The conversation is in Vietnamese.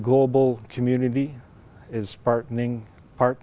do các nhà hàng phát triển không phát triển